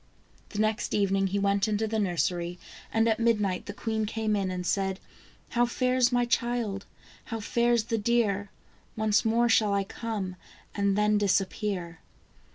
The next evening he went into the nursery, and at mid night the queen came in, and said :" How fares my child? how fares the deer? Once more shall I come, and then disappear."